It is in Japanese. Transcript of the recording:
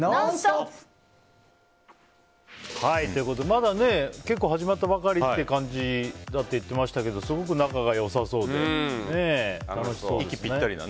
まだ稽古、始まったばかりって感じだって言ってましたけどすごく仲が良さそうですね。